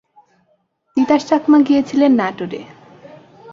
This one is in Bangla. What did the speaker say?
তিতাস চাকমা গিয়েছিলেন নাটোরে।